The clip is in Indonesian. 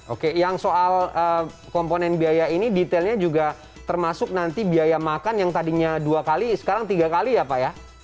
oke yang soal komponen biaya ini detailnya juga termasuk nanti biaya makan yang tadinya dua kali sekarang tiga kali ya pak ya